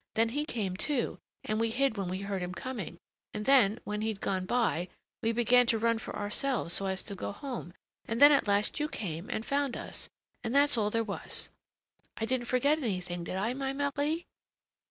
Then he came, too, and we hid when we heard him coming. And then, when he'd gone by, we began to run for ourselves so as to go home; and then at last you came and found us; and that's all there was. I didn't forget anything, did I, my Marie?"